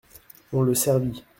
On le servit.